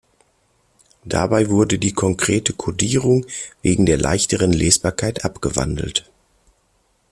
Dabei wurde die konkrete Codierung wegen der leichteren Lesbarkeit abgewandelt.